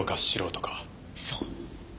そう。